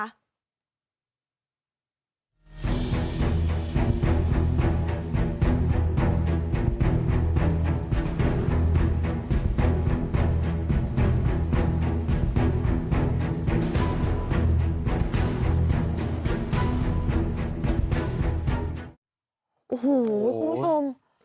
โอ้โหคุณผู้ชม